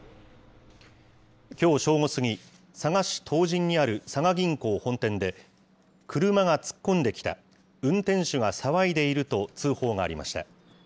きょう正午過ぎ、佐賀市唐人にある佐賀銀行本店で、車が突っ込んできた、運転手が騒いでいると、通報がありました。